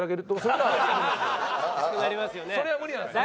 それは無理なんですね？